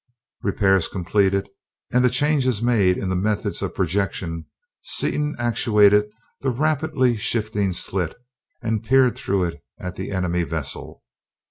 Repairs completed and the changes made in the method of projection, Seaton actuated the rapidly shifting slit and peered through it at the enemy vessel.